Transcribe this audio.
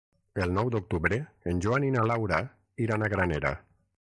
El nou d'octubre en Joan i na Laura iran a Granera.